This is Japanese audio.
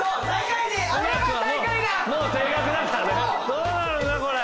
どうなるんだこれ。